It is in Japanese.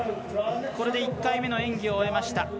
これで１回目の演技を終えました。